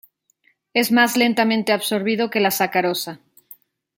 Es más lentamente absorbido que la sacarosa.